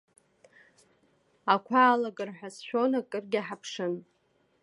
Ақәа алагар ҳәа сшәон, акыргьы ҳаԥшын.